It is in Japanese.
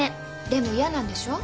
でも嫌なんでしょう？